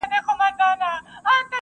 پر مزار مي زنګېدلی بیرغ غواړم `